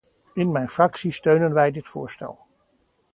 In mijn fractie steunen wij dit voorstel.